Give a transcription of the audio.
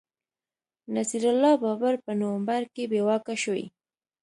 نصیر الله بابر په نومبر کي بې واکه شوی